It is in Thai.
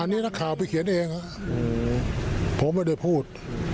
อันนี้นักข่าวไปเขียนเองผมไม่ได้พูด